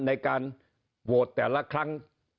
ในการโหวตแต่ละครั้ง